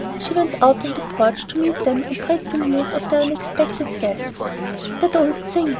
She went out on the porch to meet them and break the news of the unexpected guests. "That old thing!"